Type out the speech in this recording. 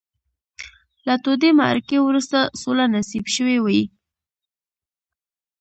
له تودې معرکې وروسته سوله نصیب شوې وي.